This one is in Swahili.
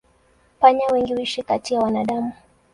Panya wengi huishi kati ya wanadamu.